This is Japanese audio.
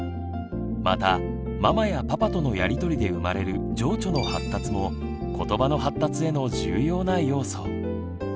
またママやパパとのやり取りで生まれる情緒の発達もことばの発達への重要な要素。